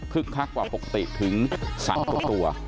คักกว่าปกติถึง๓ตัว